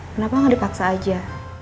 kenapa gak dipaksa aja